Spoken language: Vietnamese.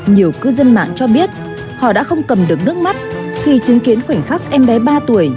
nhiều cư dân mạng cho biết họ đã không cầm được nước mắt khi chứng kiến khoảnh khắc em bé ba tuổi